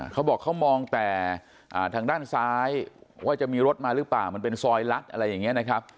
เขาบอกเขามองแต่ทางด้านซ้ายว่าจะมีรถมาหรือเปล่ามันเป็นซอยลัดอะไรอย่างนี้นะครับ